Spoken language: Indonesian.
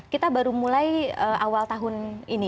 kita baru mulai awal tahun ini